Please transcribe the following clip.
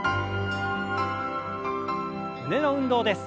胸の運動です。